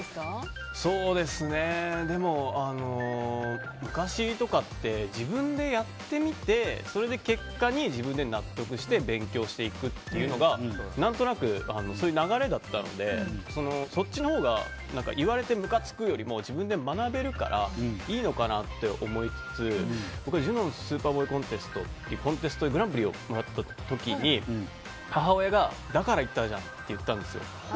でも、昔とかって自分でやってみてそれで結果に自分で納得して勉強していくっていうのが何となくそういう流れだったのでそっちのほうが言われてむかつくよりも自分で学べるからいいのかなって思いつつ僕、ジュノン・スーパーボーイ・コンテストでグランプリをもらった時に母親がだから言ったじゃんって言ったんですよ。